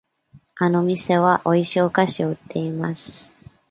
あの店はおいしいお菓子を売っています。